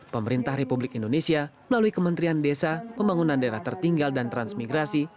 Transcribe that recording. pemerintah republik indonesia melalui kementerian desa pembangunan daerah tertinggal dan transmigrasi